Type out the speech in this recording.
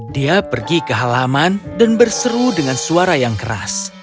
dia pergi ke halaman dan berseru dengan suara yang keras